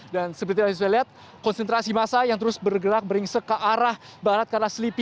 dan seperti yang anda lihat konsentrasi masa yang terus bergerak beringsek ke arah barat karena sleepy